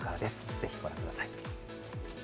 ぜひご覧ください。